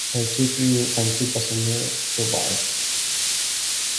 Her two crew and two passengers survived.